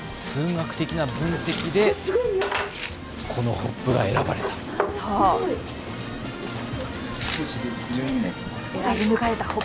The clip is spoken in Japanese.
数学的な分析でこのホップが選ばれた。